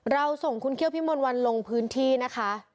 เราส่งคุณเคี่ยวพิมนต์วันลงพื้นที่นะคะ